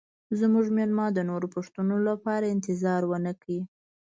زموږ میلمه د نورو پوښتنو لپاره انتظار ونه کړ